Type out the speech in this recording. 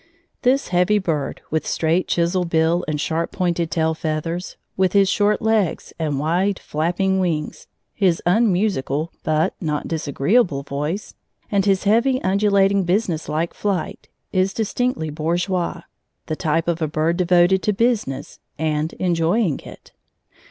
This heavy bird, with straight, chisel bill and sharp pointed tail feathers; with his short legs and wide, flapping wings, his unmusical but not disagreeable voice, and his heavy, undulating, business like flight, is distinctly bourgeois, the type of a bird devoted to business and enjoying it.